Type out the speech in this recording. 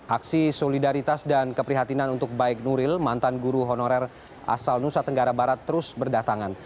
aksi solidaritas dan keprihatinan untuk baik nuril mantan guru honorer asal nusa tenggara barat terus berdatangan